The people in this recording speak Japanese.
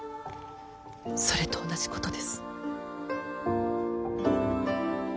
それと同じことです。